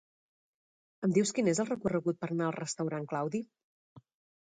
Em dius quin és el recorregut per anar al restaurant Claudi?